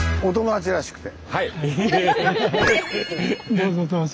どうぞどうぞ。